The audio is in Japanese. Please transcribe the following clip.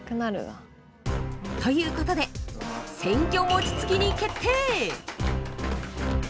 ということで「選挙もちつき」に決定！